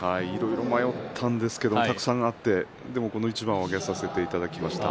迷ったんですがたくさんあって、でもこの一番を挙げさせていただきました。